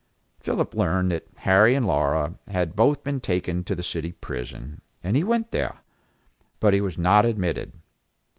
Philip learned that Harry and Laura had both been taken to the city prison, and he went there; but he was not admitted.